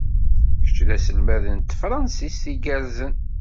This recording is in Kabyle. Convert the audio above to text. Kečč d aselmad n tefṛansit igerrzen.